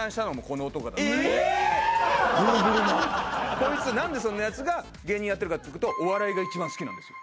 こいつなんでそんなヤツが芸人やってるかっていうとお笑いが一番好きなんですよ。